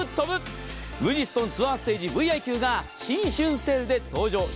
ブリヂストンツアーステージＶｉＱが新春セールで登場。